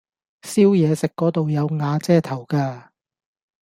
燒嘢食嗰度有瓦遮頭㗎